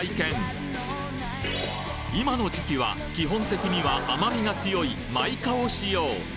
今の時期は基本的には甘味が強い真イカを使用